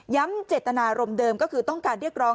เจตนารมณ์เดิมก็คือต้องการเรียกร้อง